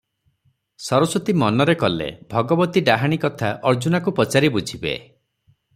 ସରସ୍ୱତୀ ମନରେ କଲେ, ଭଗବତୀ ଡାହାଣୀ କଥା ଅର୍ଜୁନାକୁ ପଚାରି ବୁଝିବେ ।